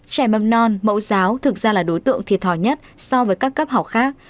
trẻ mầm non mẫu giáo thực ra là đối tượng thiệt thòi nhất so với các cấp học khác